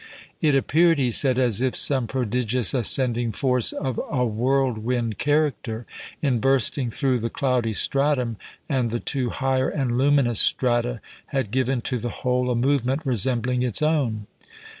"It appeared," he said, "as if some prodigious ascending force of a whirlwind character, in bursting through the cloudy stratum and the two higher and luminous strata, had given to the whole a movement resembling its own."